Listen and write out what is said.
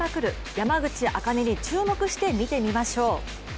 山口茜に注目してみてみましょう。